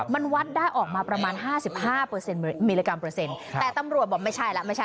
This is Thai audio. มันวัดได้ออกมาประมาณ๕๕มิลลิกรัมแต่ตำรวจบอกไม่ใช่แล้ว